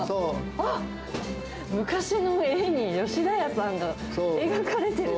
あっ、昔の絵に吉田屋さんが描かれてる。